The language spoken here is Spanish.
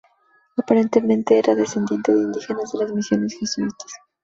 Aparentemente era descendiente de indígenas de las misiones jesuíticas guaraníes.